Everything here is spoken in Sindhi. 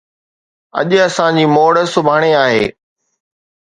اڄ اسان جي موڙ سڀاڻي آهي